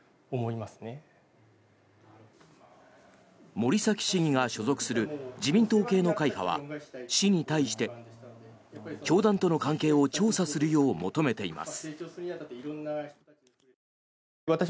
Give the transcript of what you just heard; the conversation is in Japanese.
森崎市議が所属する自民党系の会派は市に対して教団との関係を調査するよう求めています。